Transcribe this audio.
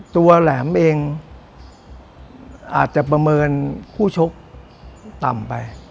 แหลมเองอาจจะประเมินคู่ชกต่ำไป